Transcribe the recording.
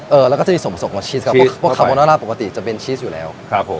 เออแล้วก็จะมีส่วนผสมของชีสครับเพราะปกติจะเป็นชีสอยู่แล้วครับผม